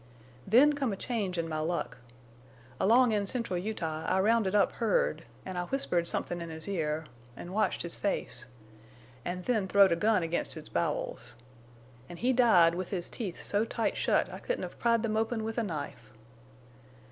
"Then come a change in my luck. Along in Central Utah I rounded up Hurd, an' I whispered somethin' in his ear, an' watched his face, an' then throwed a gun against his bowels. An' he died with his teeth so tight shut I couldn't have pried them open with a knife.